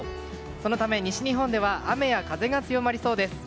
そのため、西日本では雨や風が強まりそうです。